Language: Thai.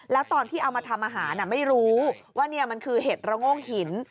แล้วตอนที่เอามาทำอาหารไม่รู้ว่านี่มันคือเห็ดระโงกหิน